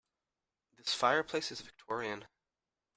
This fireplace is Victorian.